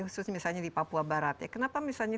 khususnya di papua barat ya kenapa misalnya